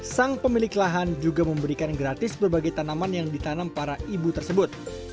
sang pemilik lahan juga memberikan gratis berbagai tanaman yang ditanam para ibu tersebut